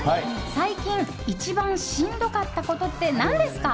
最近、一番しんどかったことって何ですか？